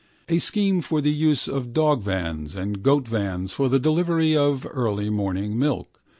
A scheme for the use of dogvans and goatvans for the delivery of early morning milk.